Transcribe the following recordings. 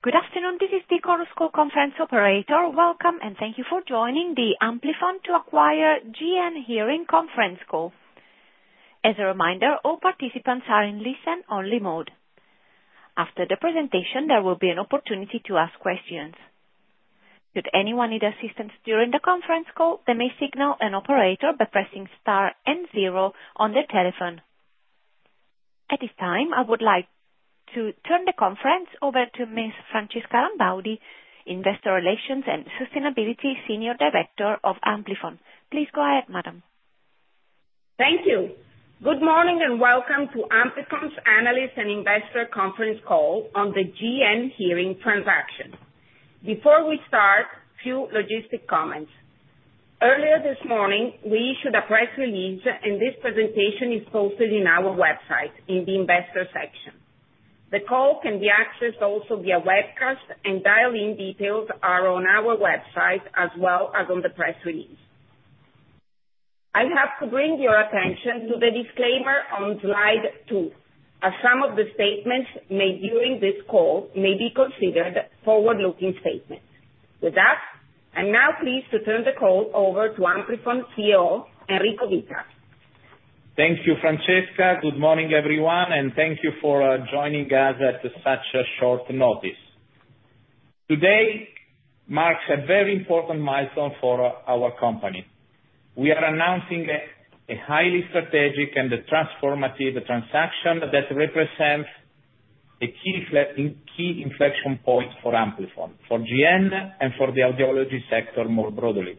Good afternoon. This is the Chorus Call conference operator. Welcome, and thank you for joining the Amplifon to acquire GN Hearing conference call. As a reminder, all participants are in listen-only mode. After the presentation, there will be an opportunity to ask questions. Should anyone need assistance during the conference call, they may signal an operator by pressing star and zero on their telephone. At this time, I would like to turn the conference over to Ms. Francesca Rambaudi, Investor Relations and Sustainability Senior Director of Amplifon. Please go ahead, madam. Thank you. Good morning and welcome to Amplifon's Analyst and Investor Conference call on the GN Hearing transaction. Before we start, few logistic comments. Earlier this morning, we issued a press release, and this presentation is posted in our website in the investor section. The call can be accessed also via webcast, and dial-in details are on our website as well as on the press release. I have to bring your attention to the disclaimer on slide two, as some of the statements made during this call may be considered forward-looking statements. With that, I'm now pleased to turn the call over to Amplifon CEO, Enrico Vita. Thank you, Francesca. Good morning, everyone, and thank you for joining us at such a short notice. Today marks a very important milestone for our company. We are announcing a highly strategic and a transformative transaction that represents a key inflection point for Amplifon, for GN, and for the audiology sector more broadly.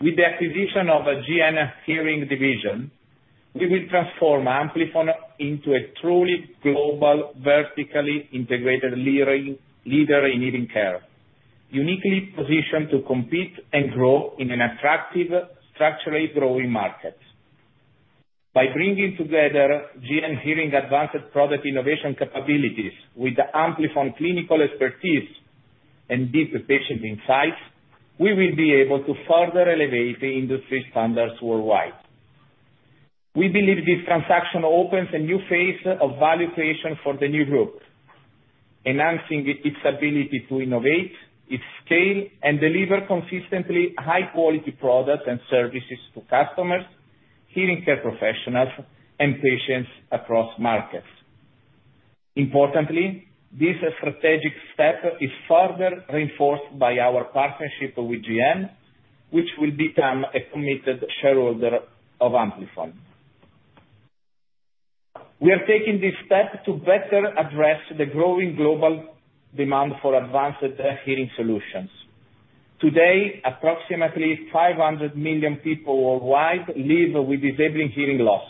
With the acquisition of a GN Hearing division, we will transform Amplifon into a truly global, vertically integrated leader in hearing care, uniquely positioned to compete and grow in an attractive, structurally growing market. By bringing together GN Hearing advanced product innovation capabilities with the Amplifon clinical expertise and deep patient insights, we will be able to further elevate the industry standards worldwide. We believe this transaction opens a new phase of value creation for the new group, enhancing its ability to innovate, its scale, and deliver consistently high-quality products and services to customers, hearing care professionals, and patients across markets. Importantly, this strategic step is further reinforced by our partnership with GN, which will become a committed shareholder of Amplifon. We are taking this step to better address the growing global demand for advanced hearing solutions. Today, approximately 500 million people worldwide live with disabling hearing loss,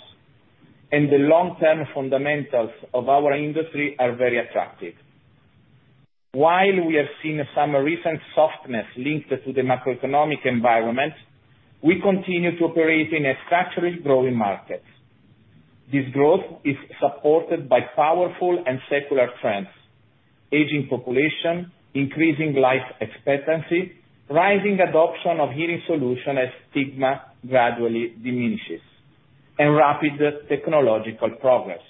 and the long-term fundamentals of our industry are very attractive. While we have seen some recent softness linked to the macroeconomic environment, we continue to operate in a structurally growing market. This growth is supported by powerful and secular trends, aging population, increasing life expectancy, rising adoption of hearing solutions as the stigma gradually diminishes, and rapid technological progress.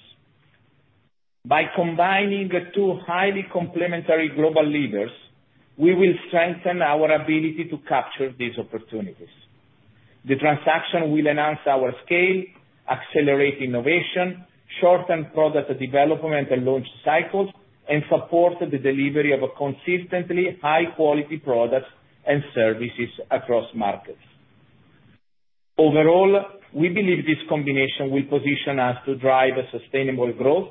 By combining the two highly complementary global leaders, we will strengthen our ability to capture these opportunities. The transaction will enhance our scale, accelerate innovation, shorten product development and launch cycles, and support the delivery of a consistently high-quality products and services across markets. Overall, we believe this combination will position us to drive a sustainable growth,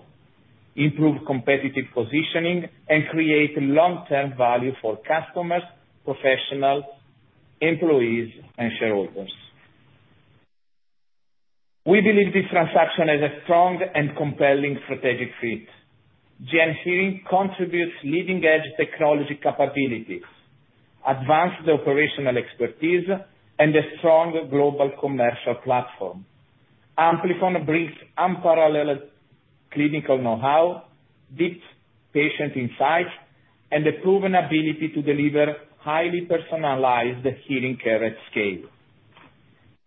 improve competitive positioning, and create long-term value for customers, professionals, employees and shareholders. We believe this transaction is a strong and compelling strategic fit. GN Hearing contributes leading-edge technology capabilities, advanced operational expertise, and a strong global commercial platform. Amplifon brings unparalleled clinical know-how, deep patient insights, and a proven ability to deliver highly personalized hearing care at scale.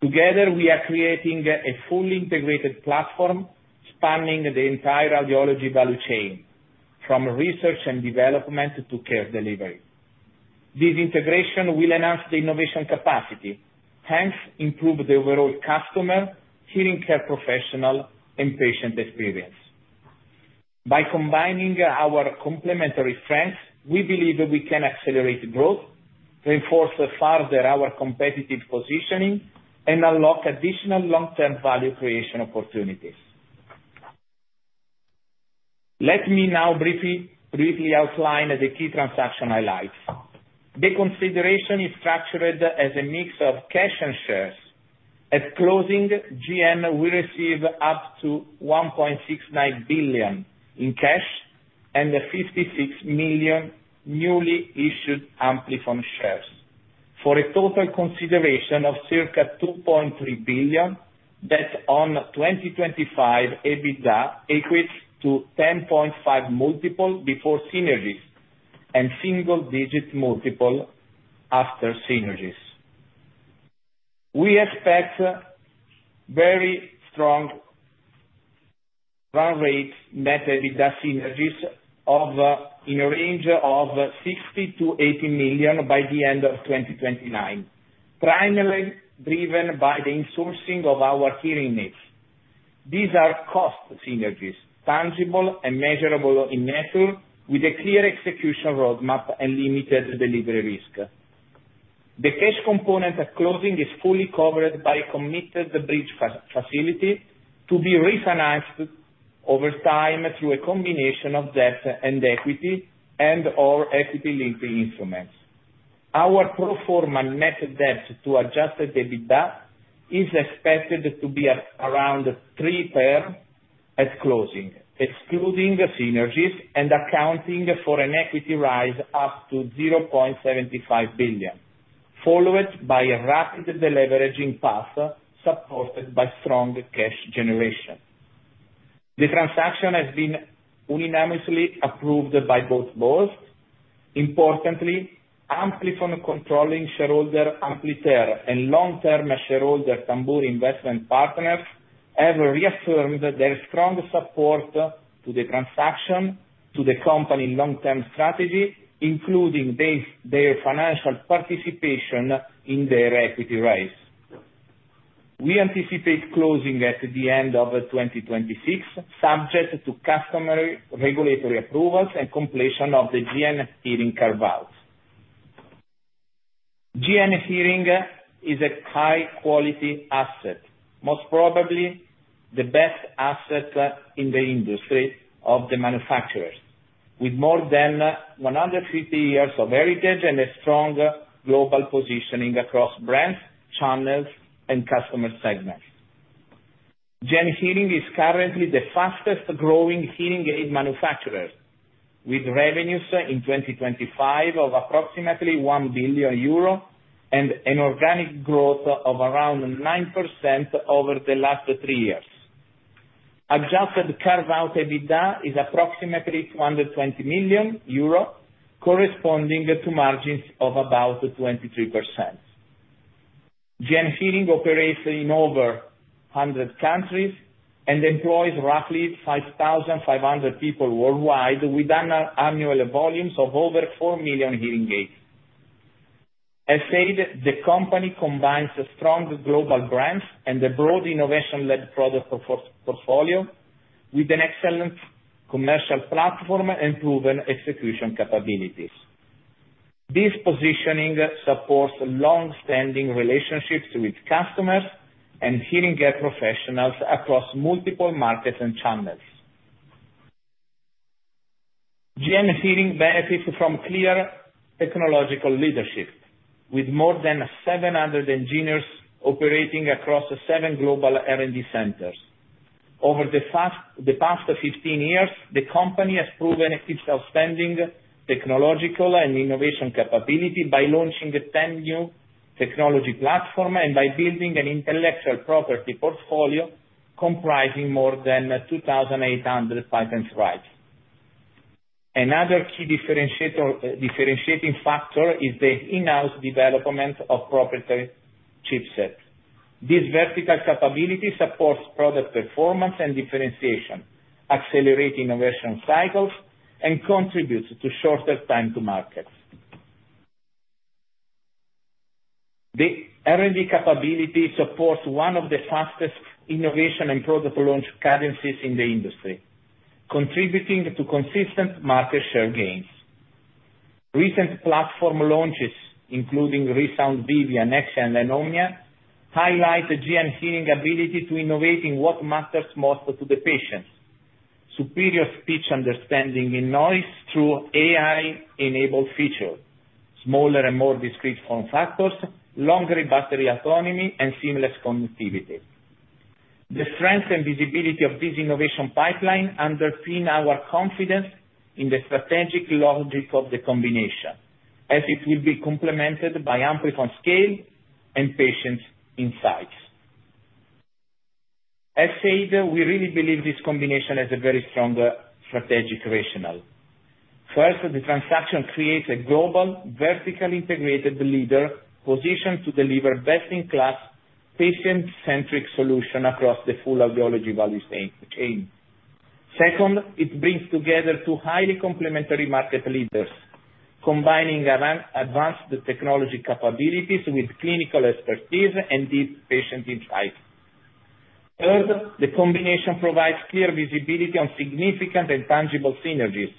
Together, we are creating a fully integrated platform spanning the entire audiology value chain, from research and development to care delivery. This integration will enhance the innovation capacity, hence improve the overall customer, hearing care professional, and patient experience. By combining our complementary strengths, we believe we can accelerate growth, reinforce further our competitive positioning, and unlock additional long-term value creation opportunities. Let me now briefly outline the key transaction highlights. The consideration is structured as a mix of cash and shares. At closing, GN will receive up to 1.69 billion in cash and 56 million newly issued Amplifon shares for a total consideration of circa 2.3 billion, that on 2025 EBITDA equates to 14.0x multiple before synergies and single-digit multiple after synergies. We expect very strong run-rate math with the synergies in a range of 60 million-80 million by the end of 2029. Primarily driven by the insourcing of our hearing aids. These are cost synergies, tangible and measurable in nature, with a clear execution roadmap and limited delivery risk. The cash component at closing is fully covered by a committed bridge facility to be refinanced over time through a combination of debt and equity and/or equity-linked instruments. Our pro forma net debt to adjusted EBITDA is expected to be at around 3x at closing, excluding the synergies and accounting for an equity raise up to 0.75 billion, followed by a rapid deleveraging path supported by strong cash generation. The transaction has been unanimously approved by both Boards. Importantly, Amplifon controlling shareholder, Ampliter, and long-term shareholder, Tamburi Investment Partners, have reaffirmed their strong support to the transaction, to the company long-term strategy, including their financial participation in their equity raise. We anticipate closing at the end of 2026, subject to customary regulatory approvals and completion of the GN Hearing carve-out. GN Hearing is a high quality asset, most probably the best asset, in the industry of the manufacturers. With more than 150 years of heritage and a strong global positioning across brands, channels, and customer segments. GN Hearing is currently the fastest growing hearing aid manufacturer, with revenues in 2025 of approximately 1 billion euro and an organic growth of around 9% over the last three years. Adjusted carve-out EBITDA is approximately 220 million euro corresponding to margins of about 23%. GN Hearing operates in over 100 countries and employs roughly 5,500 people worldwide with an annual volumes of over 4 million hearing aids. As stated, the company combines strong global brands and a broad innovation-led product portfolio with an excellent commercial platform and proven execution capabilities. This positioning supports long-standing relationships with customers and hearing aid professionals across multiple markets and channels. GN Hearing benefits from clear technological leadership, with more than 700 engineers operating across seven global R&D centers. Over the past 15 years, the company has proven its outstanding technological and innovation capability by launching 10 new technology platform and by building an intellectual property portfolio comprising more than 2,800 patent rights. Another key differentiator, differentiating factor is the in-house development of proprietary chipset. This vertical capability supports product performance and differentiation, accelerate innovation cycles, and contributes to shorter time to markets. The R&D capability supports one of the fastest innovation and product launch cadences in the industry, contributing to consistent market share gains. Recent platform launches, including ReSound Vivia, Nexia, and Savi, highlight the GN Hearing ability to innovate in what matters most to the patients. Superior speech understanding in noise through AI-enabled features, smaller and more discreet form factors, longer battery autonomy, and seamless connectivity. The strength and visibility of this innovation pipeline underpin our confidence in the strategic logic of the combination, as it will be complemented by Amplifon scale and patient insights. As stated, we really believe this combination has a very strong strategic rationale. First, the transaction creates a global, vertically integrated leader positioned to deliver best-in-class, patient-centric solution across the full audiology value chain. Second, it brings together two highly complementary market leaders, combining advanced technology capabilities with clinical expertise and deep patient insight. Third, the combination provides clear visibility on significant and tangible synergies,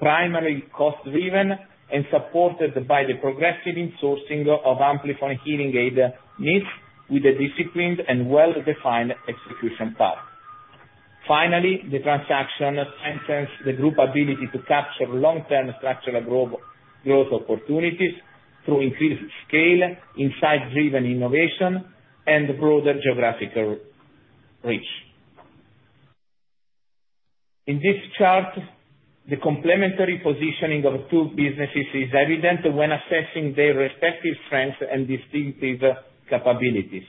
primarily cost driven and supported by the progressive insourcing of Amplifon hearing aid needs with a disciplined and well-defined execution path. Finally, the transaction enhances the group ability to capture long-term structural growth opportunities through increased scale, insight-driven innovation, and broader geographical reach. In this chart, the complementary positioning of two businesses is evident when assessing their respective strengths and distinctive capabilities.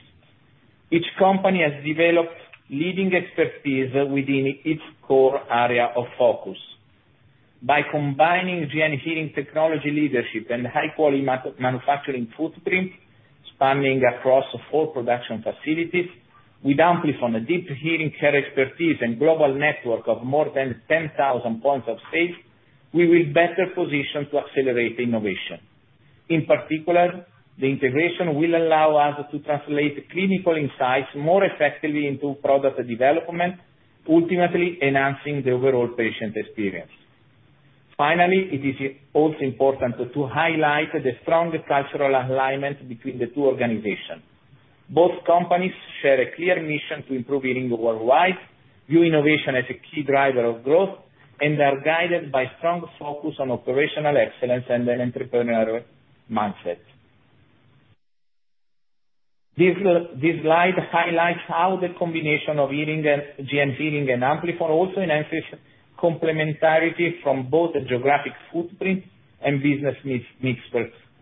Each company has developed leading expertise within its core area of focus. By combining GN Hearing technology leadership and high quality manufacturing footprint spanning across four production facilities, with Amplifon, a deep hearing care expertise and global network of more than 10,000 points of sale, we will better position to accelerate innovation. In particular, the integration will allow us to translate clinical insights more effectively into product development, ultimately enhancing the overall patient experience. Finally, it is also important to highlight the strong cultural alignment between the two organizations. Both companies share a clear mission to improve hearing worldwide, view innovation as a key driver of growth, and are guided by strong focus on operational excellence and an entrepreneurial mindset. This slide highlights how the combination of GN Hearing and Amplifon also enhances complementarity from both the geographic footprint and business needs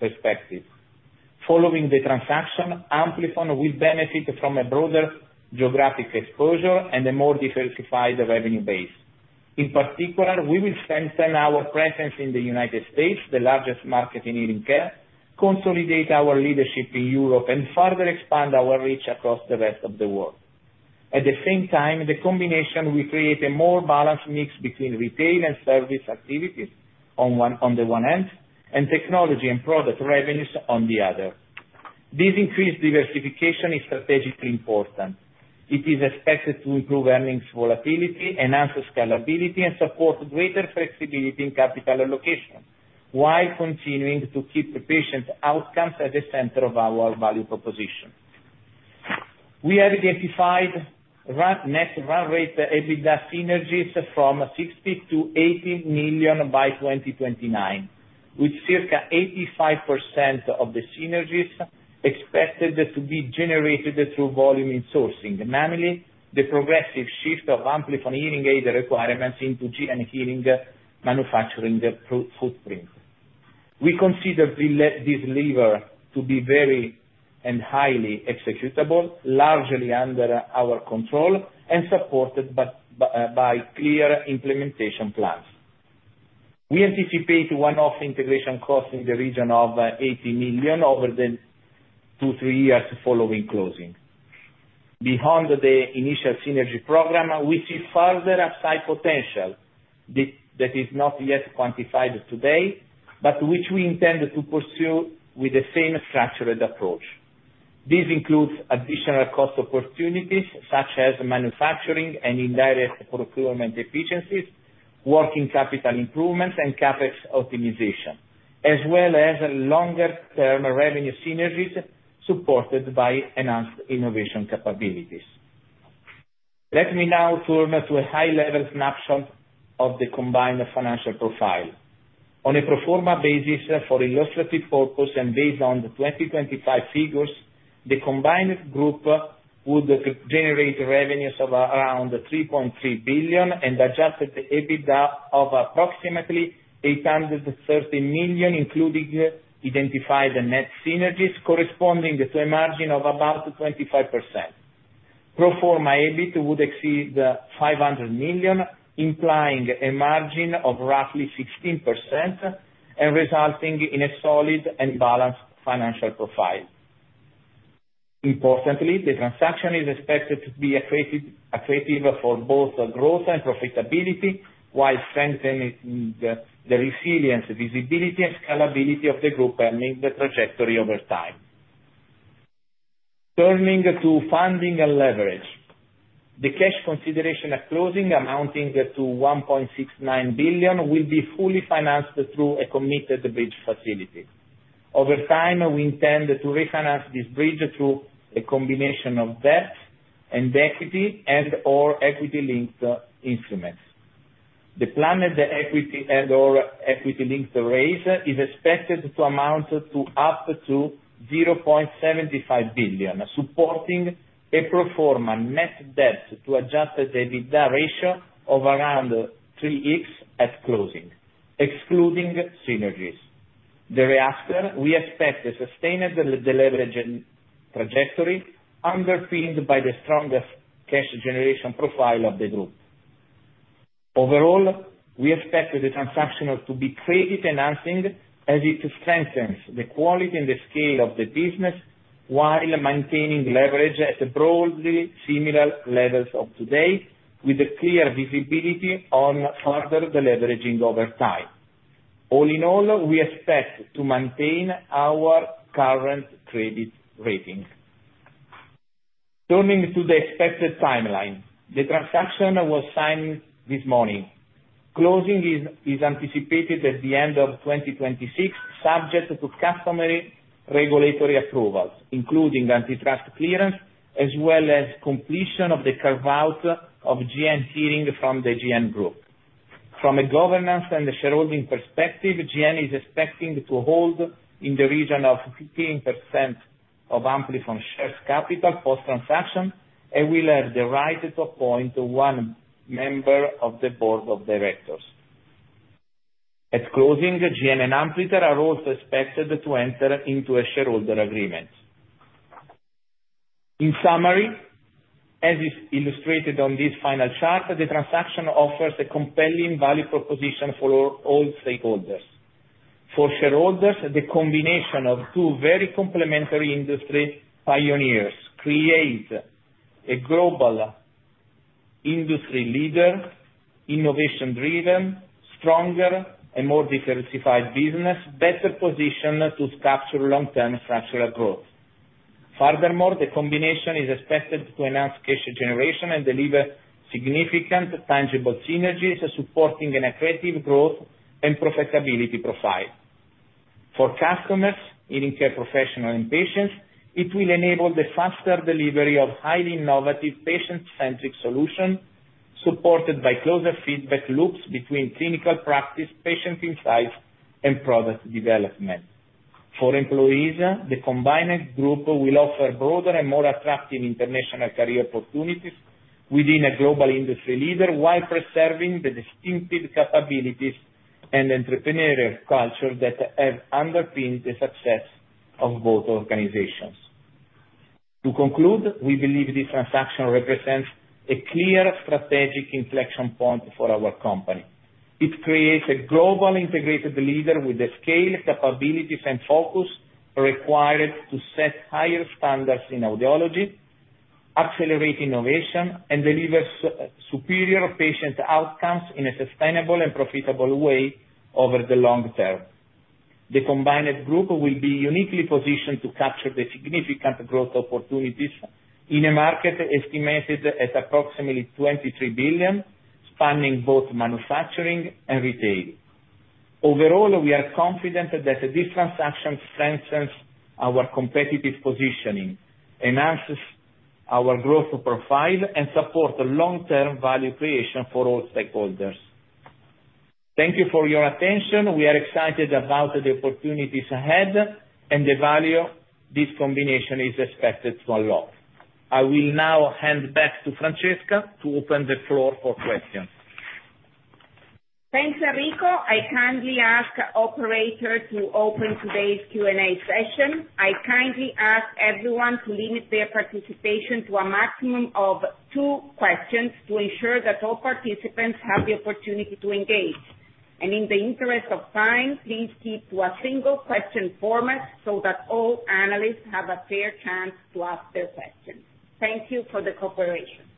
perspective. Following the transaction, Amplifon will benefit from a broader geographic exposure and a more diversified revenue base. In particular, we will strengthen our presence in the United States, the largest market in hearing care, consolidate our leadership in Europe, and further expand our reach across the rest of the world. At the same time, the combination will create a more balanced mix between retail and service activities on one, on the one hand, and technology and product revenues on the other. This increased diversification is strategically important. It is expected to improve earnings volatility, enhance scalability, and support greater flexibility in capital allocation, while continuing to keep the patient outcomes at the center of our value proposition. We have identified net run-rate, EBITDA synergies from 60 million to 80 million by 2029, with circa 85% of the synergies expected to be generated through volume in sourcing. Namely, the progressive shift of Amplifon hearing aid requirements into GN Hearing manufacturing footprint. We consider this lever to be very and highly executable, largely under our control, and supported by clear implementation plans. We anticipate one-off integration costs in the region of 80 million over the two-three years following closing. Behind the initial synergy program, we see further upside potential that is not yet quantified today, but which we intend to pursue with the same structured approach. This includes additional cost opportunities such as manufacturing and indirect procurement efficiencies, working capital improvements, and CapEx optimization, as well as longer-term revenue synergies supported by enhanced innovation capabilities. Let me now turn to a high-level snapshot of the combined financial profile. On a pro forma basis for illustrative purpose and based on the 2025 figures, the combined group would generate revenues of around 3.3 billion and adjusted EBITDA of approximately 830 million, including identified net synergies corresponding to a margin of about 25%. Pro forma EBIT would exceed 500 million, implying a margin of roughly 16% and resulting in a solid and balanced financial profile. Importantly, the transaction is expected to be accretive for both growth and profitability, while strengthening the resilience, visibility and scalability of the group earnings trajectory over time. Turning to funding and leverage. The cash consideration at closing amounting to 1.69 billion will be fully financed through a committed bridge facility. Over time, we intend to refinance this bridge through a combination of debt and equity and/or equity-linked instruments. The planned equity and/or equity-linked raise is expected to amount to up to 0.75 billion, supporting a pro forma net debt to adjusted EBITDA ratio of around 3x at closing, excluding synergies. Thereafter, we expect a sustained deleveraging trajectory underpinned by the stronger cash generation profile of the group. Overall, we expect the transaction to be credit enhancing as it strengthens the quality and the scale of the business while maintaining leverage at broadly similar levels of today with a clear visibility on further deleveraging over time. All in all, we expect to maintain our current credit rating. Turning to the expected timeline. The transaction was signed this morning. Closing is anticipated at the end of 2026 subject to customary regulatory approvals, including antitrust clearance, as well as completion of the carve-out of GN Hearing from the GN Group. From a governance and shareholding perspective, GN is expecting to hold in the region of 15% of Amplifon share capital post-transaction and will have the right to appoint one member of the board of directors. At closing, GN and Amplifon are also expected to enter into a shareholder agreement. In summary, as is illustrated on this final chart, the transaction offers a compelling value proposition for all stakeholders. For shareholders, the combination of two very complementary industry pioneers creates a global industry leader, innovation-driven, stronger and more diversified business, better positioned to capture long-term structural growth. Furthermore, the combination is expected to enhance cash generation and deliver significant tangible synergies, supporting an accretive growth and profitability profile. For customers, hearing care professionals and patients, it will enable the faster delivery of highly innovative patient-centric solutions, supported by closer feedback loops between clinical practice, patient insights, and product development. For employees, the combined group will offer broader and more attractive international career opportunities within a global industry leader, while preserving the distinctive capabilities and entrepreneurial culture that have underpinned the success of both organizations. To conclude, we believe this transaction represents a clear strategic inflection point for our company. It creates a global integrated leader with the scale, capabilities and focus required to set higher standards in audiology, accelerate innovation and deliver superior patient outcomes in a sustainable and profitable way over the long term. The combined group will be uniquely positioned to capture the significant growth opportunities in a market estimated at approximately 23 billion, spanning both manufacturing and retail. Overall, we are confident that this transaction strengthens our competitive positioning, enhances our growth profile and supports long term value creation for all stakeholders. Thank you for your attention. We are excited about the opportunities ahead and the value this combination is expected to unlock. I will now hand back to Francesca to open the floor for questions. Thanks, Enrico. I kindly ask operator to open today's Q&A session. I kindly ask everyone to limit their participation to a maximum of two questions to ensure that all participants have the opportunity to engage. In the interest of time, please keep to a single question format so that all analysts have a fair chance to ask their questions. Thank you for the cooperation.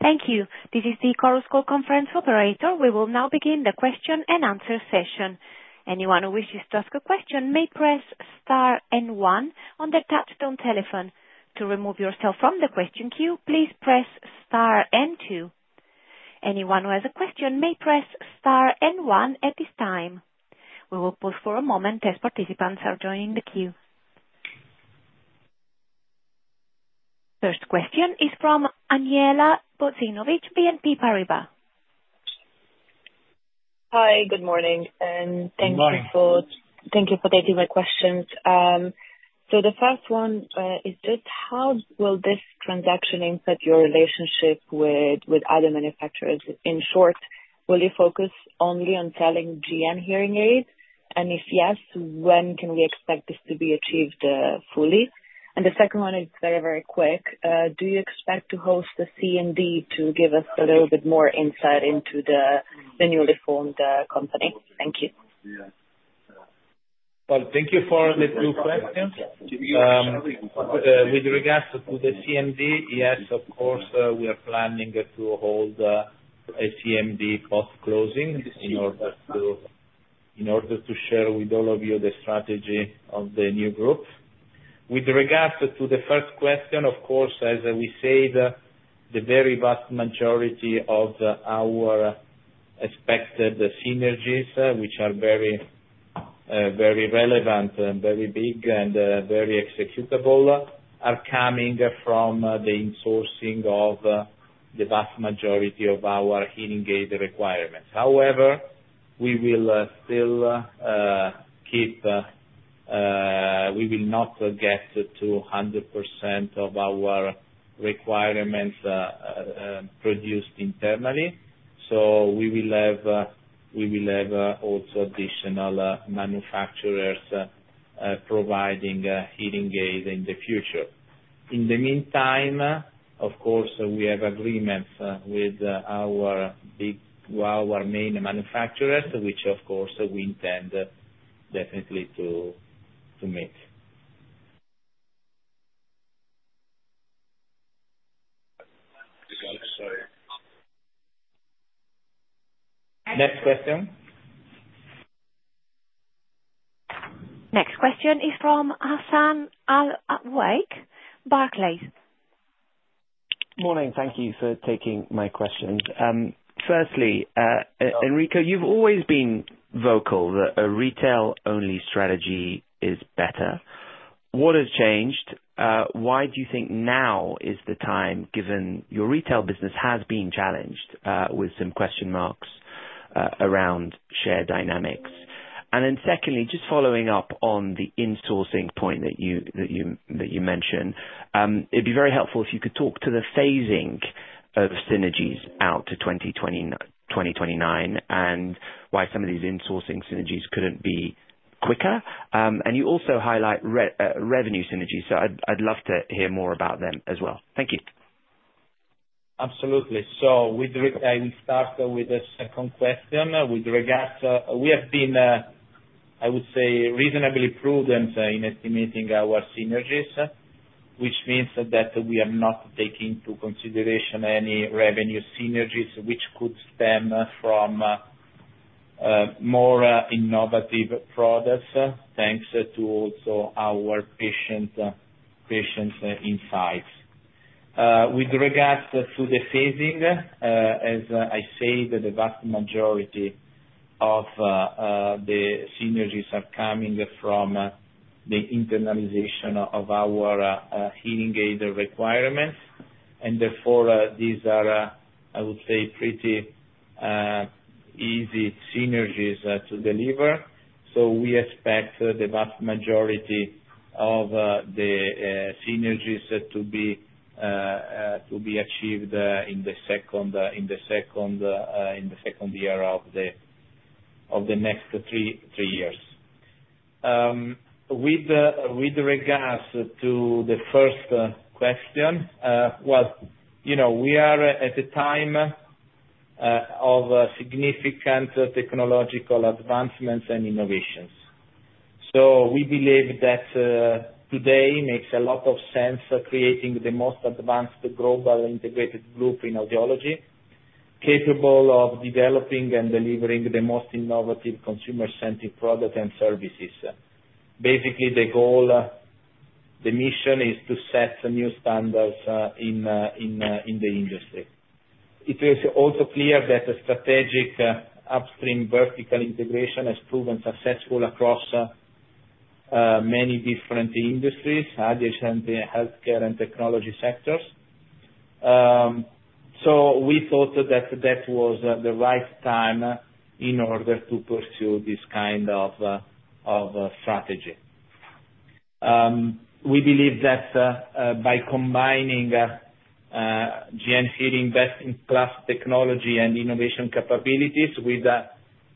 Thank you. This is the Chorus Call conference operator. We will now begin the question-and-answer session. Anyone who wishes to ask a question may press star and one on the touch-tone telephone. To remove yourself from the question queue, please press star and two. Anyone who has a question may press star and one at this time. We will pause for a moment as participants are joining the queue. First question is from Andjela Bozinovic, BNP Paribas. Hi, good morning. Good morning. Thank you for taking my questions. So the first one is just how will this transaction impact your relationship with other manufacturers? In short, will you focus only on selling GN Hearing aids? And if yes, when can we expect this to be achieved fully? And the second one is very, very quick. Do you expect to host the CMD to give us a little bit more insight into the newly formed company? Thank you. Well, thank you for the two questions. With regards to the CMD, yes, of course, we are planning to hold a CMD post-closing in order to share with all of you the strategy of the new group. With regards to the first question, of course, as we said, the very vast majority of our expected synergies, which are very relevant and very big and very executable, are coming from the insourcing of the vast majority of our hearing aid requirements. However, we will still keep, we will not get to 100% of our requirements produced internally. We will have also additional manufacturers providing hearing aids in the future. In the meantime, of course, we have agreements with our big, our main manufacturers, which of course we intend definitely to meet. Next question. Next question is from Hassan Al-Wakeel, Barclays. Morning. Thank you for taking my questions. Firstly, Enrico, you've always been vocal that a retail-only strategy is better. What has changed? Why do you think now is the time, given your retail business has been challenged with some question marks around share dynamics? Secondly, just following up on the insourcing point that you mentioned, it'd be very helpful if you could talk to the phasing of synergies out to 2029, and why some of these insourcing synergies couldn't be quicker. You also highlight revenue synergies, so I'd love to hear more about them as well. Thank you. Absolutely. I will start with the second question. With regards, we have been, I would say reasonably prudent, in estimating our synergies, which means that we are not taking into consideration any revenue synergies which could stem from, more, innovative products, thanks to also our patient insights. With regards to the phasing, as I say, that the vast majority of, the synergies are coming from the internalization of our, hearing aid requirements, and therefore, these are, I would say, pretty, easy synergies, to deliver. We expect the vast majority of, the, synergies to be, to be achieved, in the second year of the next three years. With regards to the first question, well, you know, we are at a time of significant technological advancements and innovations. We believe that today makes a lot of sense, creating the most advanced global integrated group in audiology, capable of developing and delivering the most innovative consumer-centric products and services. Basically, the goal, the mission is to set new standards in the industry. It is also clear that a strategic upstream vertical integration has proven successful across many different industries, other than the healthcare and technology sectors. We thought that was the right time in order to pursue this kind of strategy. We believe that by combining GN Hearing best-in-class technology and innovation capabilities with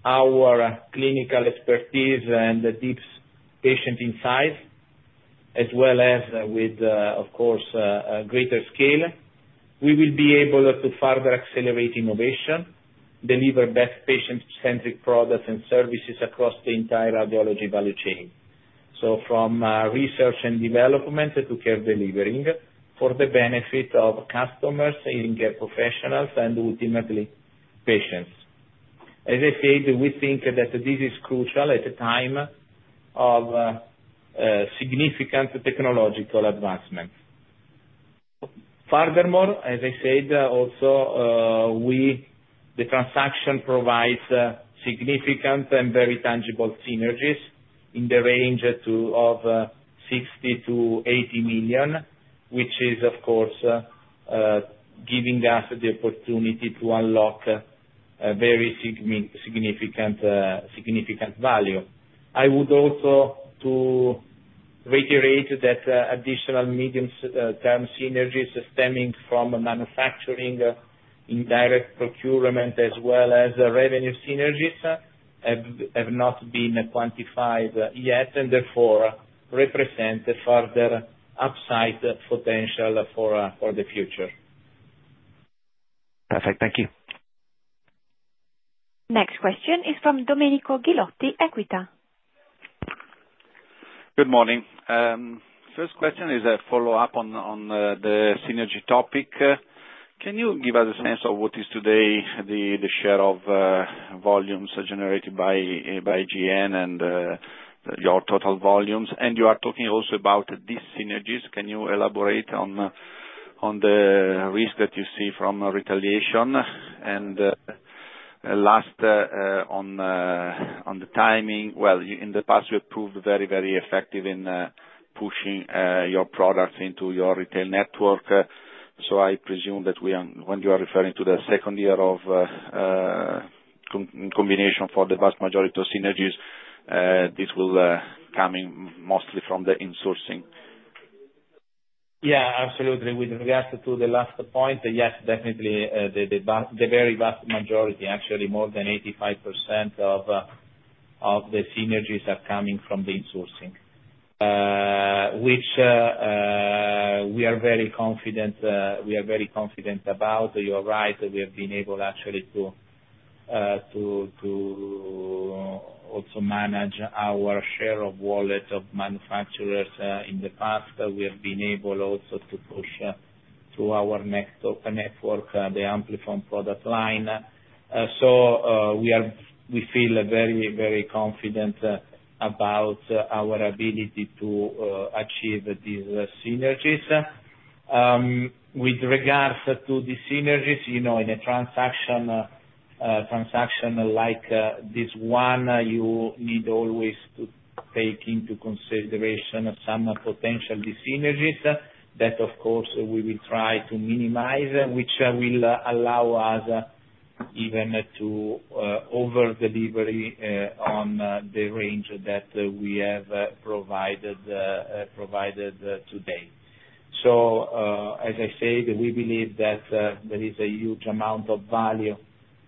our clinical expertise and deep patient insights, as well as with, of course, a greater scale, we will be able to further accelerate innovation, deliver best patient-centric products and services across the entire audiology value chain. From research and development to care delivery for the benefit of customers, hearing care professionals, and ultimately patients. As I said, we think that this is crucial at a time of significant technological advancement. Furthermore, as I said also, the transaction provides significant and very tangible synergies in the range of 60 million-80 million, which is of course giving us the opportunity to unlock a very significant value. I would also like to reiterate that additional medium-term synergies stemming from manufacturing, indirect procurement, as well as revenue synergies have not been quantified yet, and therefore represent a further upside potential for the future. Perfect. Thank you. Next question is from Domenico Ghilotti, Equita. Good morning. First question is a follow-up on the synergy topic. Can you give us a sense of what is today the share of volumes generated by GN and your total volumes? And you are talking also about these synergies. Can you elaborate on the risk that you see from retaliation? And last on the timing. Well, in the past, you proved very effective in pushing your products into your retail network. So I presume that we, when you are referring to the second year of combination for the vast majority of synergies, this will coming mostly from the insourcing. Yeah, absolutely. With regards to the last point, yes, definitely, the very vast majority, actually more than 85% of the synergies are coming from the insourcing, which we are very confident about. You are right, we have been able actually to also manage our share of wallet of manufacturers in the past. We have been able also to push to our next open network the Amplifon product line. We feel very, very confident about our ability to achieve these synergies. With regards to the synergies, you know, in a transaction like this one, you need always to take into consideration some potential dis-synergies that of course we will try to minimize, which will allow us even to overdeliver on the range that we have provided today. As I said, we believe that there is a huge amount of value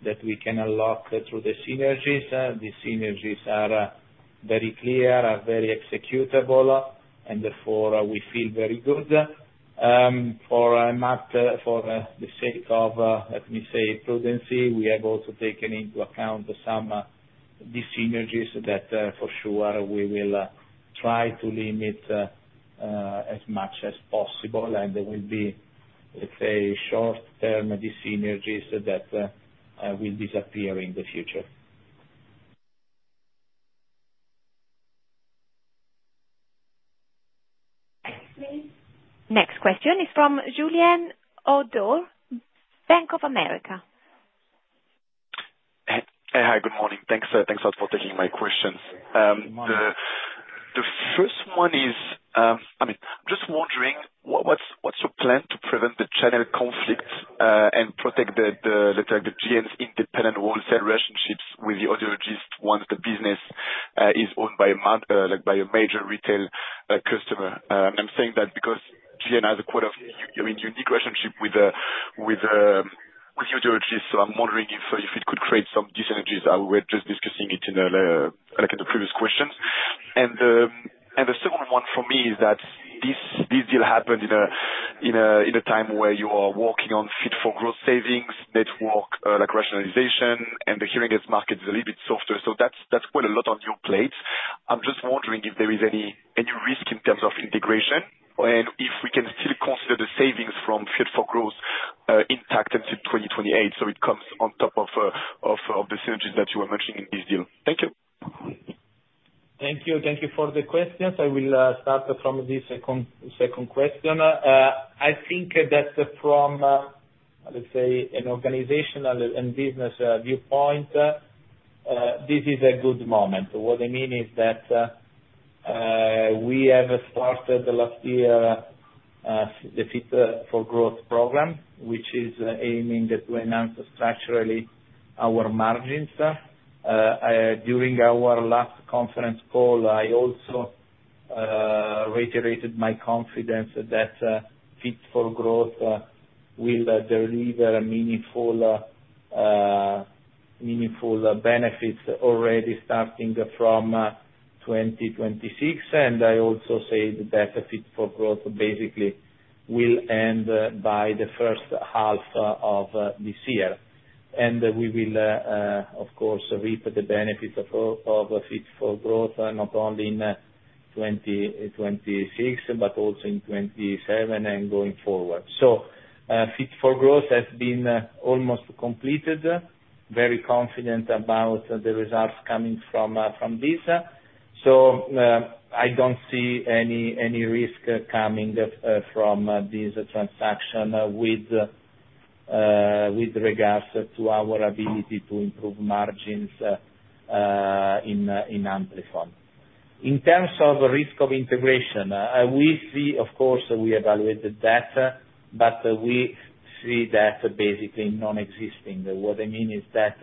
that we can unlock through the synergies. The synergies are very clear, are very executable, and therefore we feel very good. For the sake of, let me say, prudence, we have also taken into account some dis-synergies that for sure we will try to limit as much as possible. They will be, let's say, short-term dis-synergies that will disappear in the future. Next please. Next question is from Julien Ouaddour, Bank of America. Hi, good morning. Thanks. Thanks a lot for taking my questions. The first one is, I mean, just wondering what's your plan to prevent the channel conflict and protect the like the GN's independent wholesale relationships with the audiologists once the business is owned by a like by a major retail customer? I'm saying that because GN has a quite a unique relationship with audiologists. So I'm wondering if it could create some dis-synergies. We're just discussing it in the like in the previous questions. And the second one for me is that this deal happened in a time where you are working on 'Fit for Growth' savings, network like rationalization, and the hearing aids market is a little bit softer. That's quite a lot on your plate. I'm just wondering if there is any risk in terms of integration and if we can still consider the savings from 'Fit for Growth' intact until 2028. It comes on top of the synergies that you were mentioning in this deal. Thank you. Thank you. Thank you for the questions. I will start from the second question. I think that from, let's say, an organizational and business viewpoint, this is a good moment. What I mean is that we have started last year the 'Fit for Growth' program, which is aiming to enhance structurally our margins. During our last conference call, I also reiterated my confidence that 'Fit for Growth' will deliver meaningful benefits already starting from 2026. I also say that 'Fit for Growth' basically will end by the first half of this year. We will of course reap the benefits of 'Fit for Growth' not only in 2026, but also in 2027 and going forward. 'Fit for Growth has been almost completed. Very confident about the results coming from this. I don't see any risk coming from this transaction with regards to our ability to improve margins in Amplifon. In terms of risk of integration, we see, of course, we evaluated that, but we see that basically non-existing. What I mean is that,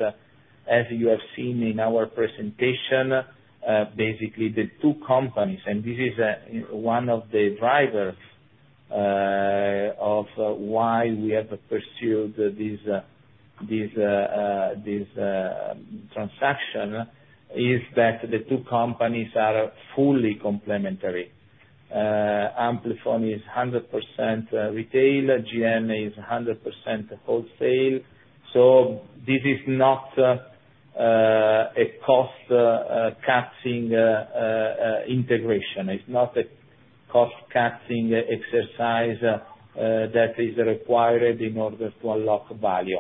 as you have seen in our presentation, basically the two companies, and this is one of the drivers of why we have pursued this transaction, is that the two companies are fully complementary. Amplifon is 100% retail. GN is 100% wholesale. This is not a cost-cutting integration. It's not a cost-cutting exercise that is required in order to unlock value.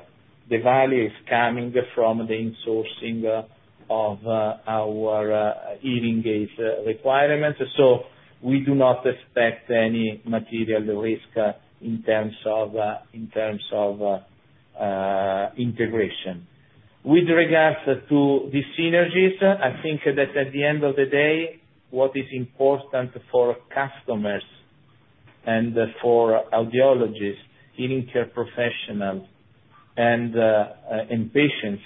The value is coming from the insourcing of our hearing aid requirements. We do not expect any material risk in terms of integration. With regards to the synergies, I think that at the end of the day, what is important for customers and for audiologists, hearing care professionals and patients,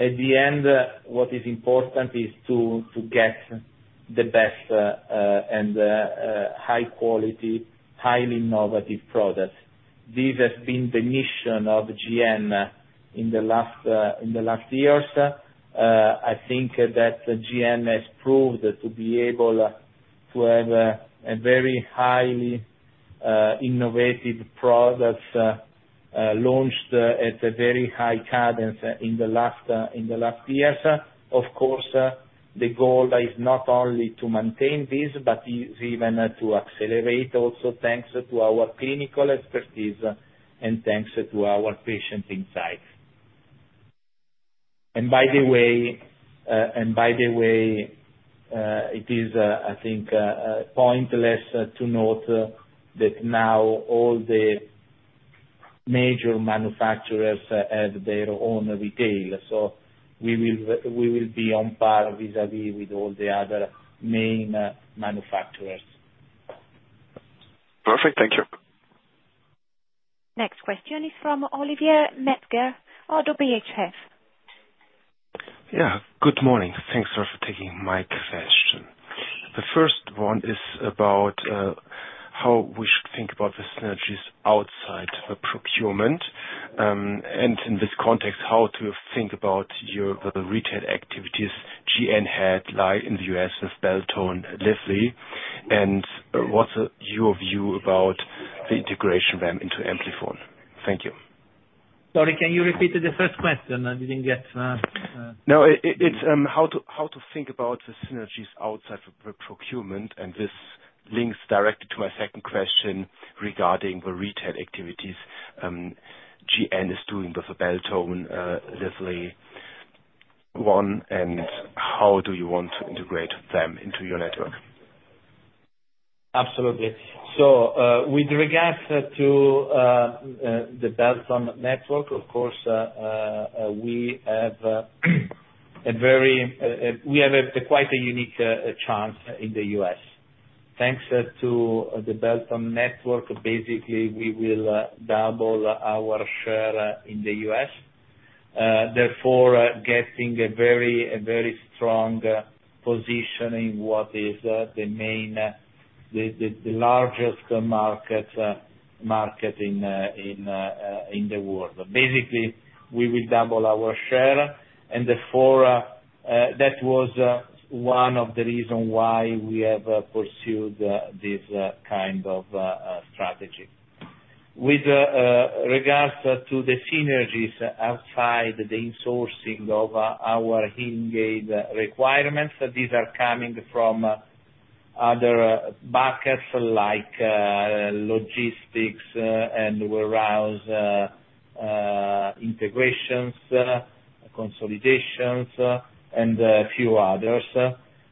at the end, what is important is to get the best and high quality, highly innovative products. This has been the mission of GN in the last years. I think that GN has proved to be able to have a very highly innovative products launched at a very high cadence in the last years. Of course, the goal is not only to maintain this, but is even to accelerate also, thanks to our clinical expertise and thanks to our patient insights. By the way, it is, I think, pointless to note that now all the major manufacturers have their own retail. We will be on par vis-à-vis with all the other main manufacturers. Perfect. Thank you. Next question is from Oliver Metzger, ODDO BHF. Yeah. Good morning. Thanks for taking my question. The first one is about how we should think about the synergies outside the procurement. In this context, how to think about your, the retail activities GN had like in the U.S. with Beltone, Lively, and what's your view about the integration then into Amplifon? Thank you. Sorry, can you repeat the first question? I didn't get, No. It's how to think about the synergies outside of the procurement, and this links directly to my second question regarding the retail activities GN is doing with Beltone, Lively one, and how do you want to integrate them into your network? Absolutely. With regards to the Beltone network, of course, we have quite a unique chance in the U.S. Thanks to the Beltone network, basically, we will double our share in the U.S., therefore getting a very strong position in what is the largest market in the world. Basically, we will double our share, and therefore, that was one of the reasons why we have pursued this kind of strategy. With regards to the synergies outside the insourcing of our hearing aid requirements, these are coming from other buckets like logistics and warehouse integrations, consolidations, and a few others.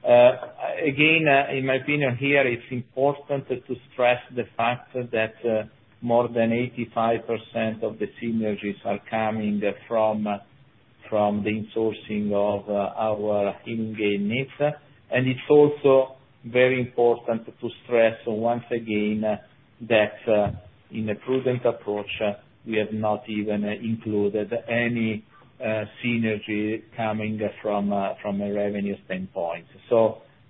Again, in my opinion here, it's important to stress the fact that more than 85% of the synergies are coming from the insourcing of our hearing aid needs. It's also very important to stress once again that in a prudent approach, we have not even included any synergy coming from a revenue standpoint.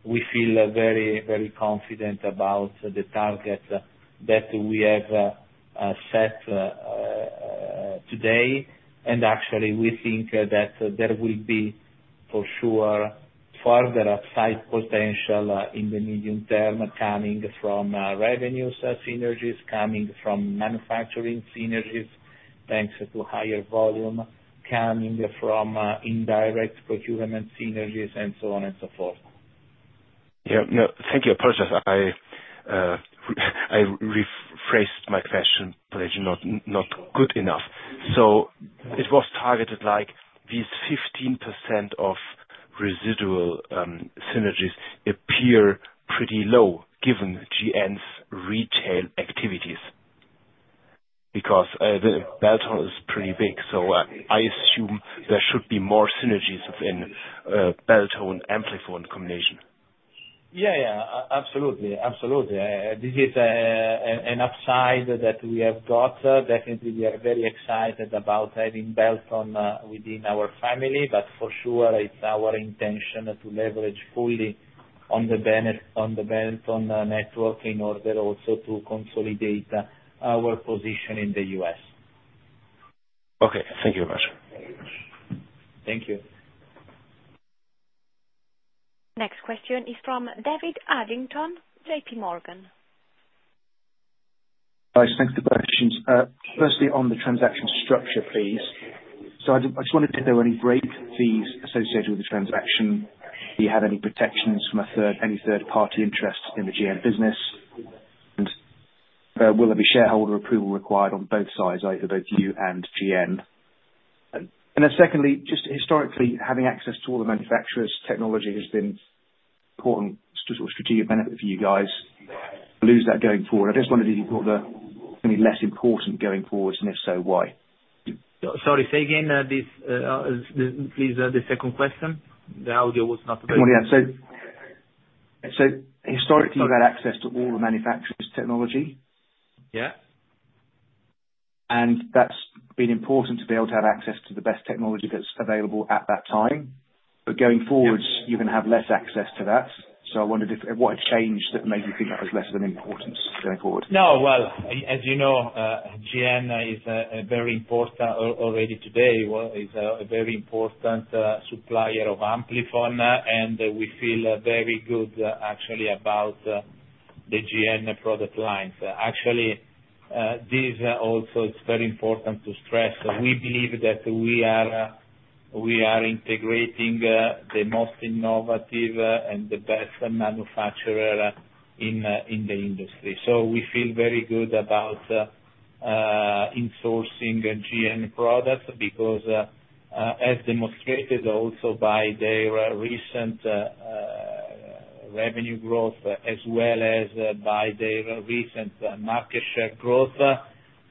We feel very confident about the target that we have set today. Actually, we think that there will be, for sure, further upside potential in the medium term coming from revenue synergies, coming from manufacturing synergies, thanks to higher volume, coming from indirect procurement synergies and so on and so forth. Yeah. Thank you. Apologies. I rephrased my question, but not good enough. It was targeted like these 15% of residual synergies appear pretty low given GN's retail activities. The Beltone is pretty big, so I assume there should be more synergies within Beltone, Amplifon combination. Absolutely. This is an upside that we have got. Definitely, we are very excited about having Beltone within our family, but for sure, it's our intention to leverage fully on the Beltone network in order also to consolidate our position in the U.S. Okay. Thank you very much. Thank you. Next question is from David Adlington, JPMorgan. Thanks. Thanks for both questions. Firstly, on the transaction structure, please. I just wondered if there were any break fees associated with the transaction. Do you have any protections from any third-party interest in the GN business? Will there be shareholder approval required on both sides, both you and GN? Secondly, just historically, having access to all the manufacturers' technology has been important strategic benefit for you guys. Lose that going forward. I just wondered if you thought that may be less important going forward, and if so, why? Sorry, say again, this, please, the second question. The audio was not very good. Historically, you've had access to all the manufacturers' technology. Yeah. That's been important to be able to have access to the best technology that's available at that time. Going forward- Yeah. You're gonna have less access to that. I wondered what had changed that made you think that was less of an importance going forward? No. Well, as you know, GN is a very important supplier of Amplifon already today, and we feel very good actually about the GN product lines. Actually, this also is very important to stress. We believe that we are integrating the most innovative and the best manufacturer in the industry. We feel very good about insourcing GN products because, as demonstrated also by their recent revenue growth, as well as by their recent market share growth,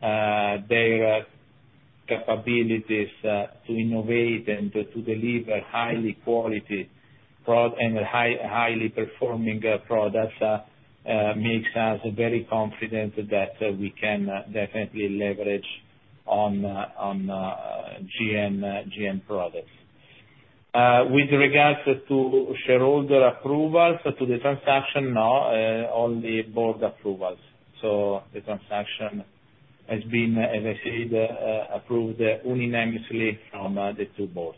their capabilities to innovate and to deliver high quality products and highly performing products makes us very confident that we can definitely leverage on GN products. With regards to shareholder approvals to the transaction, no, only Board approvals. The transaction has been, as I said, approved unanimously from the two Boards.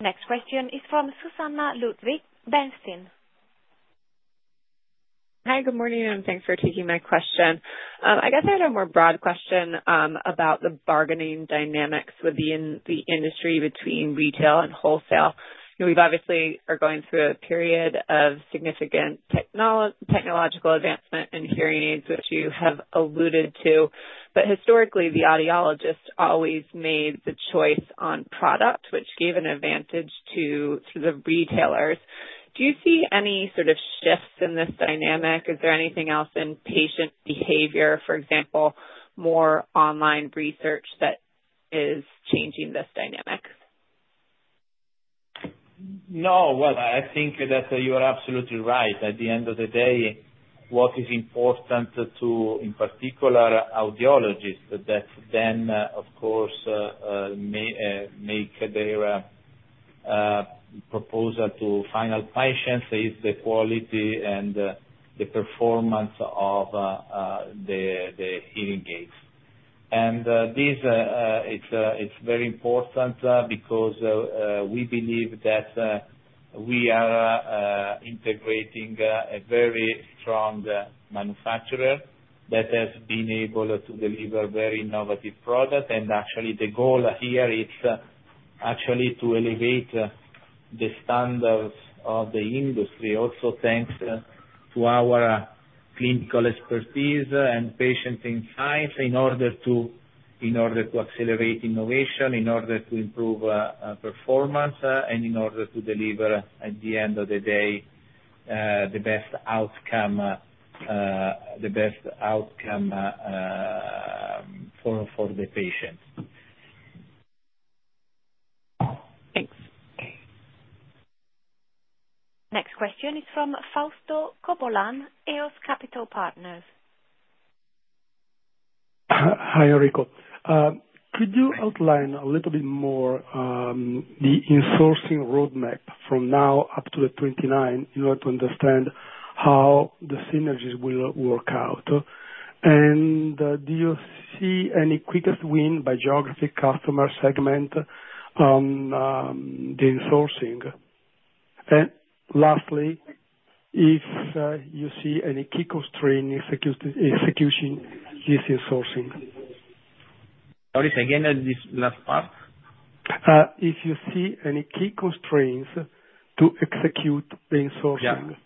Next question is from Susannah Ludwig, Bernstein. Hi, good morning, and thanks for taking my question. I guess I had a more broad question, about the bargaining dynamics within the industry between retail and wholesale. You know, we've obviously are going through a period of significant technological advancement in hearing aids, which you have alluded to. Historically, the audiologist always made the choice on product, which gave an advantage to the retailers. Do you see any sort of shifts in this dynamic? Is there anything else in patient behavior, for example, more online research that is changing this dynamic? No. Well, I think that you are absolutely right. At the end of the day, what is important to, in particular, audiologists, that then, of course, make their proposal to final patients is the quality and the performance of the hearing aids. This is very important because we believe that we are integrating a very strong manufacturer that has been able to deliver very innovative product. Actually, the goal here is actually to elevate the standards of the industry also thanks to our clinical expertise and patient insights in order to accelerate innovation, in order to improve performance, and in order to deliver, at the end of the day, the best outcome for the patients. Thanks. Next question is from Fausto Covolan, EOS Capital Partners. Hi, Enrico. Could you outline a little bit more the insourcing roadmap from now up to 2029 in order to understand how the synergies will work out? Do you see any quick win by geography, customer segment on the insourcing? Lastly, do you see any key constraint in executing this insourcing? Sorry, say again this last part. If you see any key constraints to execute the insourcing?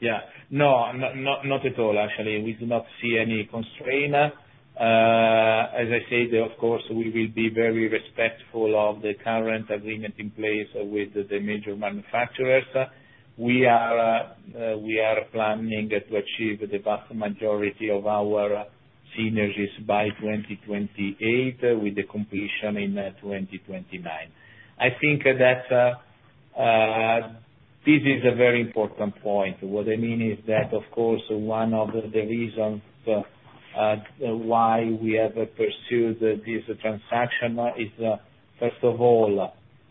Yeah. No, not at all. Actually, we do not see any constraint. As I said, of course, we will be very respectful of the current agreement in place with the major manufacturers. We are planning to achieve the vast majority of our synergies by 2028, with the completion in 2029. I think that this is a very important point. What I mean is that, of course, one of the reasons why we have pursued this transaction is, first of all,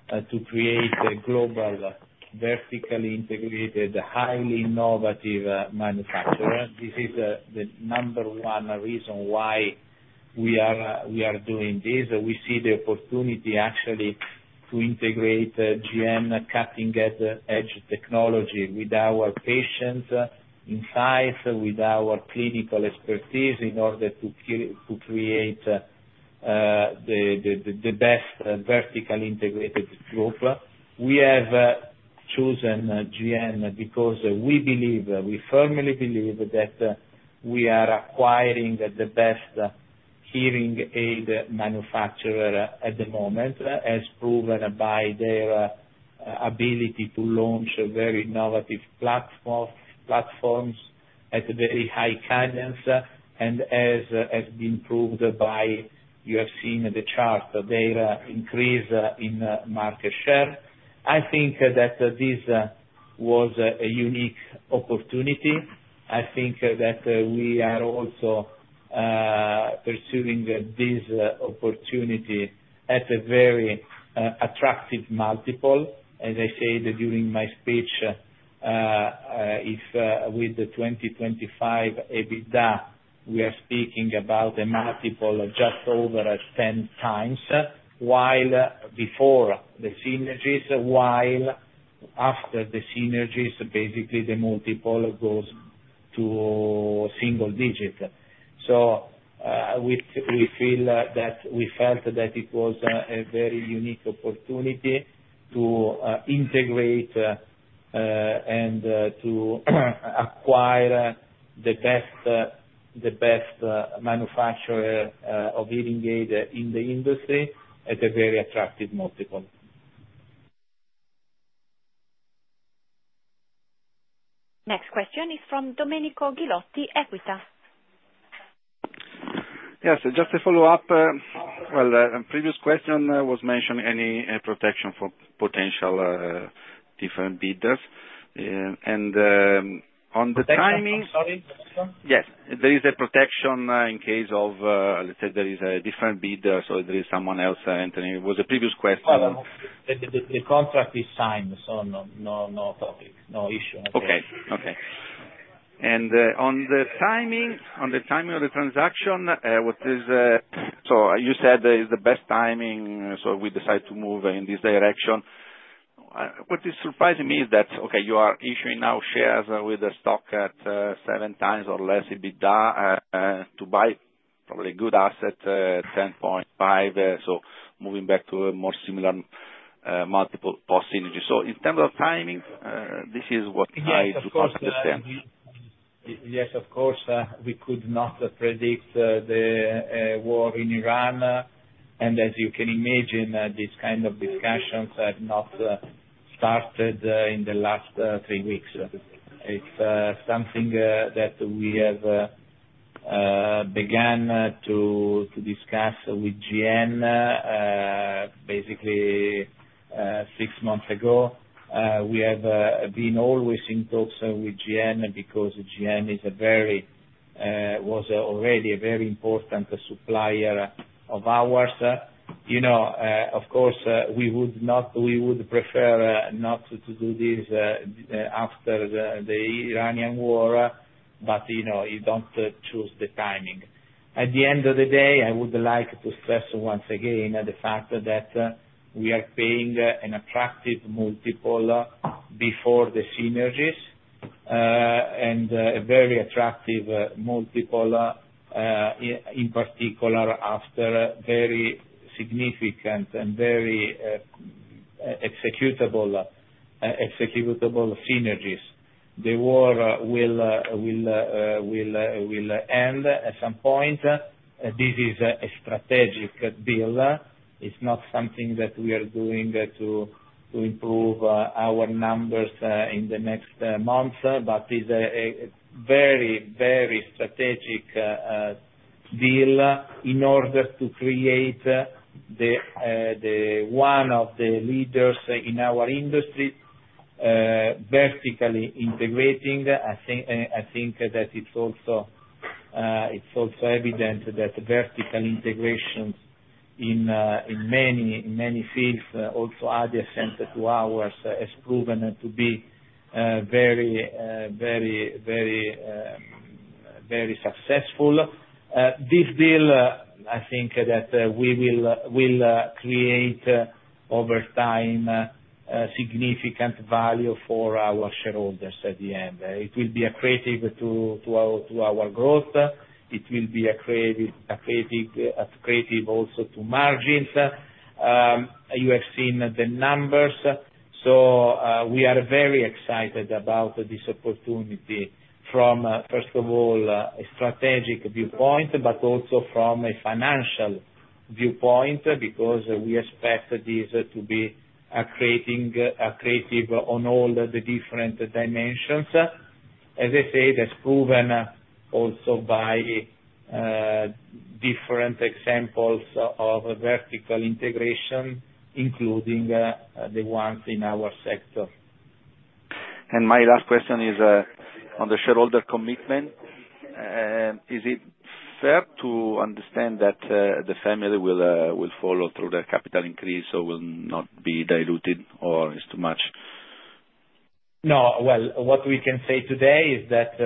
to create a global, vertically integrated, highly innovative manufacturer. This is the number one reason why we are doing this. We see the opportunity actually to integrate GN cutting-edge technology with our patient insights, with our clinical expertise in order to create the best vertically integrated group. We have chosen GN because we believe, we firmly believe that we are acquiring the best hearing aid manufacturer at the moment, as proven by their ability to launch very innovative platforms at very high cadence and as being proved by, you have seen the chart, their increase in market share. I think that this was a unique opportunity. I think that we are also pursuing this opportunity at a very attractive multiple. As I said during my speech, if with the 2025 EBITDA, we are speaking about a multiple of just over 14x, while before the synergies, after the synergies, basically the multiple goes to single digit. We felt that it was a very unique opportunity to integrate and to acquire the best manufacturer of hearing aid in the industry at a very attractive multiple. Next question is from Domenico Ghilotti, Equita. Yes. Just a follow-up. Previous question was mentioned, any protection for potential different bidders. On the timing. I'm sorry. Protection? Yes. There is a protection, in case of, let's say there is a different bidder, so there is someone else entering. It was a previous question. No. The contract is signed, so no topic, no issue. Okay. On the timing of the transaction, what is... You said that it's the best timing, we decide to move in this direction. What is surprising me is that, you are issuing now shares with the stock at 12x or less EBITDA, to buy probably good asset 14.0x. Moving back to a more similar multiple post synergy. In terms of timing, this is what I do not understand. Yes, of course. We could not predict the war in Ukraine. As you can imagine, these kind of discussions had not started in the last three weeks. It's something that we have began to discuss with GN basically six months ago. We have been always in talks with GN because GN was already a very important supplier of ours. You know, of course, we would prefer not to do this after the Ukrainian war, but you know, you don't choose the timing. At the end of the day, I would like to stress once again the fact that we are paying an attractive multiple before the synergies, and a very attractive multiple, in particular after a very significant and very executable synergies. The war will end at some point. This is a strategic deal. It's not something that we are doing to improve our numbers in the next months, but is a very strategic deal in order to create the one of the leaders in our industry, vertically integrating. I think that it's also evident that vertical integrations in many fields, also adjacent to ours, has proven to be very successful. This deal, I think that we will create over time a significant value for our shareholders at the end. It will be accretive to our growth. It will be accretive also to margins. You have seen the numbers. We are very excited about this opportunity from, first of all, a strategic viewpoint, but also from a financial viewpoint, because we expect this to be accretive on all the different dimensions. As I said, it's proven also by different examples of vertical integration, including the ones in our sector. My last question is on the shareholder commitment. Is it fair to understand that the family will follow through their capital increase or will not be diluted, or it's too much? No. Well, what we can say today is that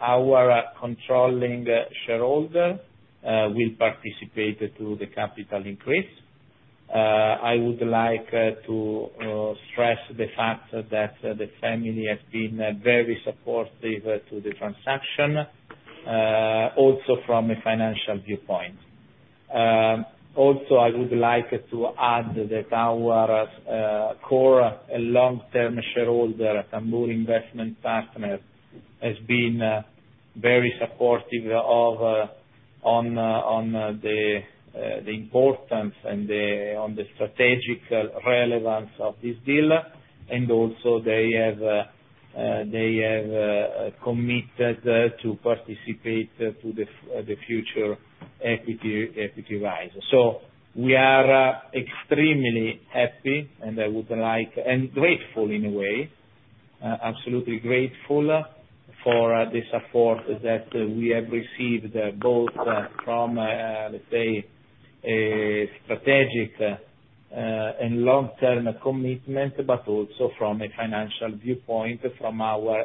our controlling shareholder will participate in the capital increase. I would like to stress the fact that the family has been very supportive of the transaction, also from a financial viewpoint. Also, I would like to add that our core long-term shareholder, Tamburi Investment Partners, has been very supportive of the importance and the strategic relevance of this deal. They have committed to participate in the future equity raise. We are extremely happy, and I would like- Grateful in a way, absolutely grateful for the support that we have received, both from, let's say, a strategic and long-term commitment, but also from a financial viewpoint from our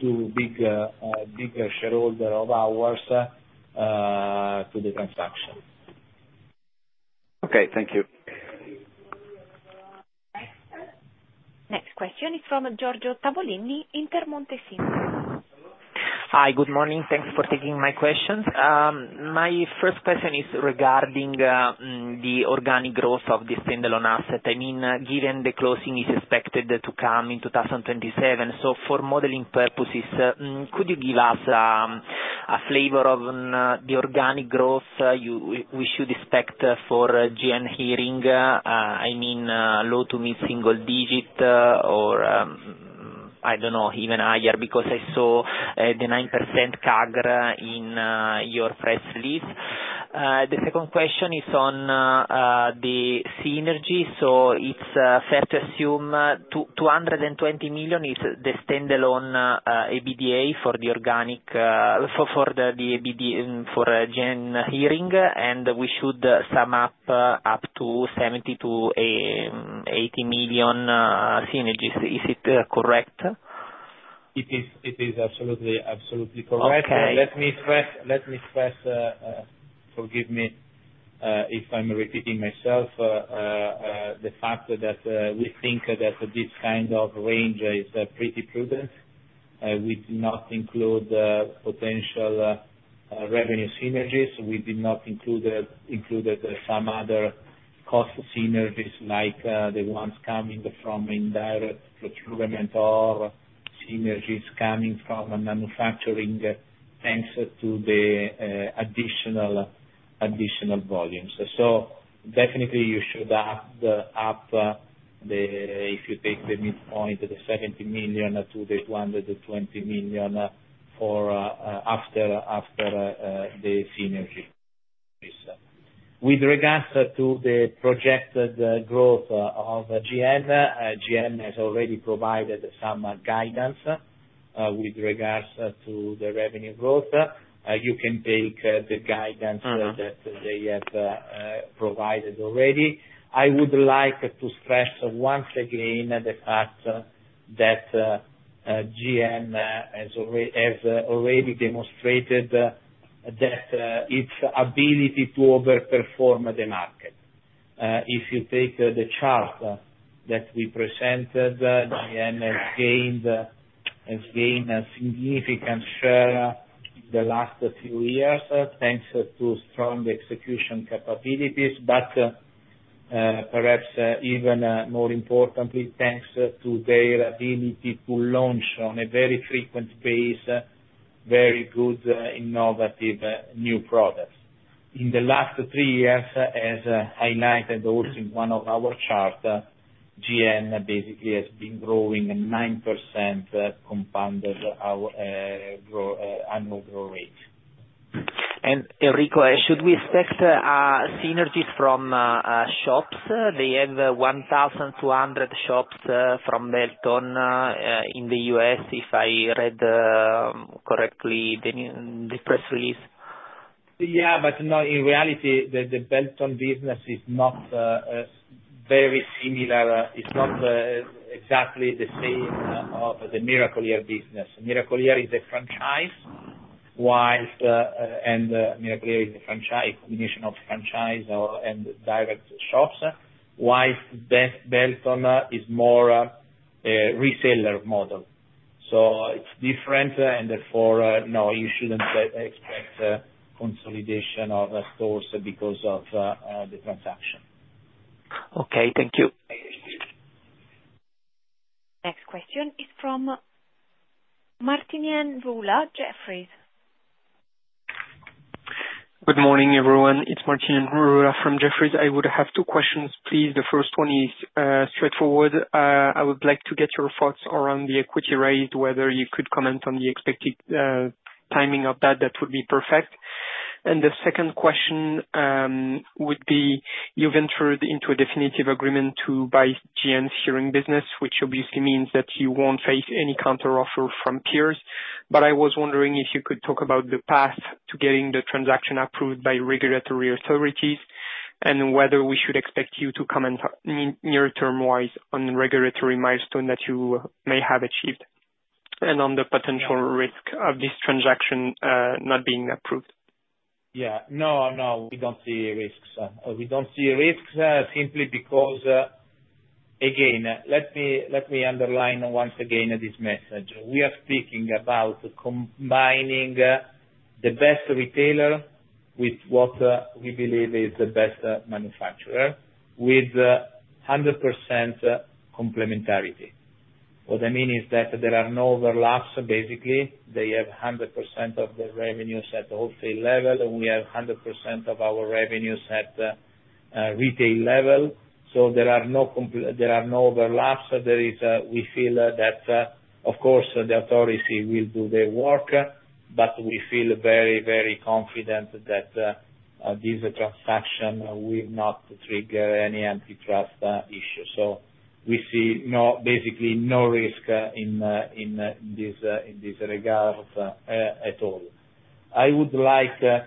two big shareholder of ours to the transaction. Okay. Thank you. Next question is from Giorgio Tavolini, Intermonte SIM. Hi. Good morning. Thanks for taking my questions. My first question is regarding the organic growth of the standalone asset. I mean, given the closing is expected to come in 2027. For modeling purposes, could you give us a flavor of the organic growth we should expect for GN Hearing? I mean, low- to mid-single-digit or I don't know, even higher, because I saw the 9% CAGR in your press release. The second question is on the synergy. It's fair to assume 220 million is the standalone EBITDA for the organic for GN Hearing, and we should sum up to 70 million-80 million synergies. Is it correct? It is absolutely correct. Okay. Let me stress, forgive me if I'm repeating myself. The fact that we think that this kind of range is pretty prudent. We do not include potential revenue synergies. We did not include some other cost synergies like the ones coming from indirect procurement or synergies coming from manufacturing, thanks to the additional volumes. Definitely you should add up. If you take the midpoint, the 70 million-220 million for after the synergy. With regards to the projected growth of GN has already provided some guidance with regards to the revenue growth. You can take the guidance. Uh-huh. That they have provided already. I would like to stress once again the fact that GN has already demonstrated that its ability to overperform the market. If you take the chart that we presented, GN has gained a significant share in the last few years, thanks to strong execution capabilities, but perhaps even more importantly, thanks to their ability to launch on a very frequent basis, very good innovative new products. In the last three years, as highlighted also in one of our charts, GN basically has been growing 9% compound annual growth rate. Enrico, should we expect synergies from shops? They have 1,200 shops from Beltone in the U.S., if I read correctly the press release. Yeah. No, in reality, the Beltone business is not very similar. It's not exactly the same as the Miracle-Ear business. Miracle-Ear is a franchise, while and Miracle-Ear is a combination of franchise and direct shops, while Beltone is more a reseller model. It's different and therefore, no, you shouldn't expect consolidation of stores because of the transaction. Okay. Thank you. Thank you. Next question is from Martinien Rula, Jefferies. Good morning, everyone. It's Martinien Rula from Jefferies. I would have two questions, please. The first one is straightforward. I would like to get your thoughts around the equity raise, whether you could comment on the expected timing of that would be perfect. The second question would be, you've entered into a definitive agreement to buy GN's hearing business, which obviously means that you won't face any counteroffer from peers. I was wondering if you could talk about the path to getting the transaction approved by regulatory authorities and whether we should expect you to comment near term-wise on regulatory milestone that you may have achieved and on the potential risk of this transaction not being approved. No, no, we don't see risks. We don't see risks simply because, again, let me underline once again this message. We are speaking about combining the best retailer with what we believe is the best manufacturer with 100% complementarity. What I mean is that there are no overlaps. Basically, they have 100% of the revenues at the wholesale level, and we have 100% of our revenues at retail level. There are no overlaps. We feel that, of course, the authority will do their work, but we feel very, very confident that this transaction will not trigger any antitrust issue. We see basically no risk in this regard at all. I would like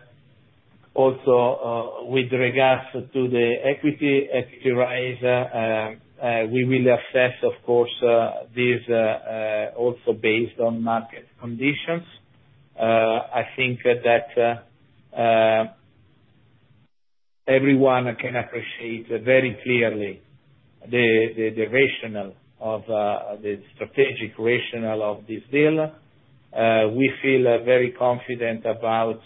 also with regards to the equity raise we will assess of course this also based on market conditions. I think that everyone can appreciate very clearly the rationale of the strategic rationale of this deal. We feel very confident about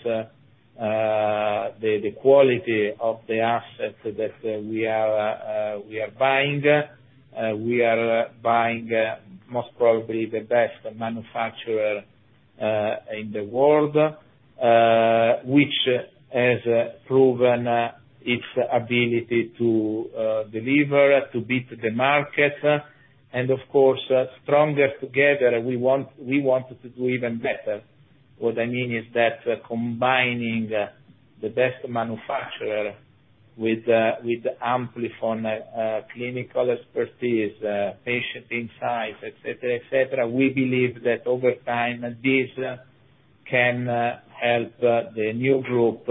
the quality of the assets that we are buying. We are buying most probably the best manufacturer in the world which has proven its ability to deliver to beat the market. Of course, stronger together, we wanted to do even better. What I mean is that combining the best manufacturer with Amplifon clinical expertise, patient insights, et cetera, we believe that over time, this can help the new group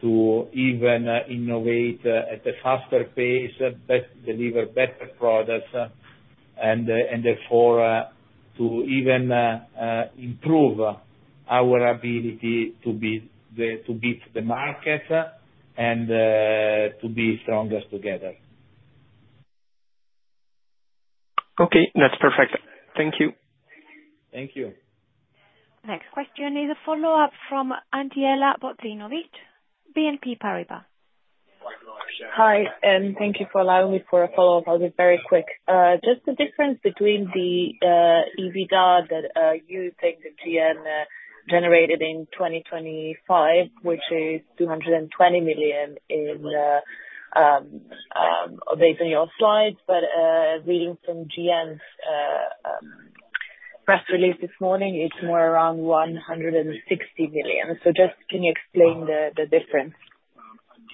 to even innovate at a faster pace, deliver better products, and therefore to even improve our ability to beat the market and to be stronger together. Okay. That's perfect. Thank you. Thank you. Next question is a follow-up from Andjela Bozinovic, BNP Paribas. Hi, thank you for allowing me for a follow-up. I'll be very quick. Just the difference between the EBITDA that you think that GN generated in 2025, which is EUR 220 million based on your slides, but reading from GN's press release this morning, it's more around 160 million. Just can you explain the difference?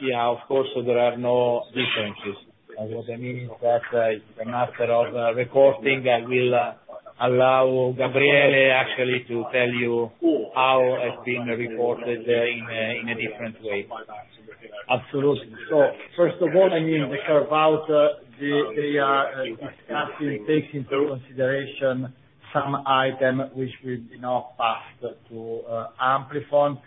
Yeah, of course. There are no differences. What I mean is that it's a matter of reporting that will allow Gabriele actually to tell you how it's being reported in a different way. Absolutely. First of all, I mean, the carve-out, the discussion takes into consideration some item which will not pass to Amplifon.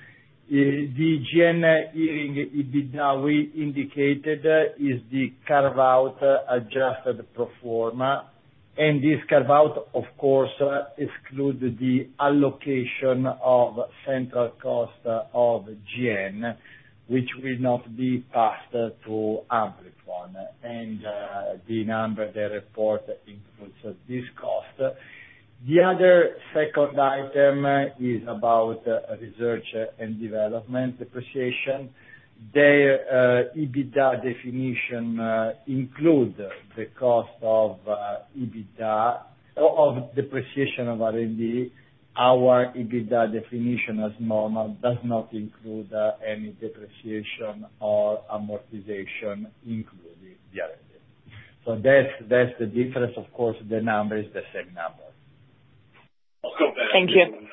The GN Hearing EBITDA we indicated is the carve-out adjusted pro forma. This carve-out, of course, excludes the allocation of central cost of GN, which will not be passed to Amplifon. The number they report includes this cost. The other second item is about research and development depreciation. Their EBITDA definition includes the cost of depreciation of R&D. Our EBITDA definition as normal does not include any depreciation or amortization including the R&D. That's the difference. Of course, the number is the same number. Thank you.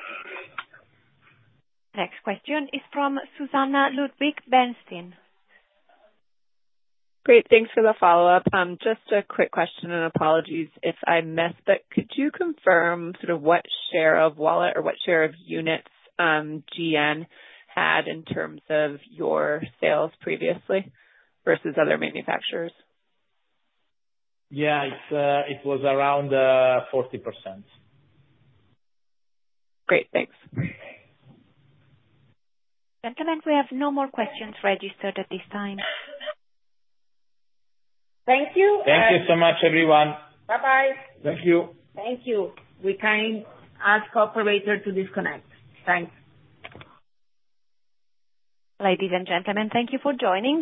Next question is from Susannah Ludwig, Bernstein. Great. Thanks for the follow-up. Just a quick question and apologies if I missed, but could you confirm sort of what share of wallet or what share of units, GN had in terms of your sales previously versus other manufacturers? Yeah. It was around 40%. Great. Thanks. Gentlemen, we have no more questions registered at this time. Thank you. Thank you so much, everyone. Bye-bye. Thank you. Thank you. We can ask operator to disconnect. Thanks. Ladies and gentlemen, thank you for joining.